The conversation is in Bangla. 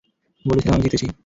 বলেছিলাম আমি জিতেছি।